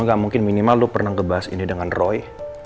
panino gak mungkin minimal lu pernah ngebahas ini dengan roy